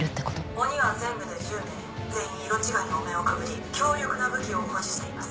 鬼は全部で１０名全員色違いのお面をかぶり強力な武器を保持しています。